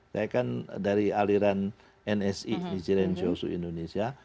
saya kan dari aliran nsi nichiren shosu indonesia